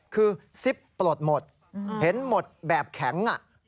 คือซิปปลดหมดเห็นหมดแบบแข็ง